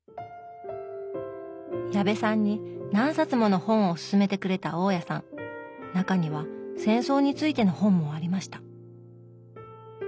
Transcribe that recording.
矢部さんに何冊もの本をすすめてくれた大家さん中には戦争についての本もありました。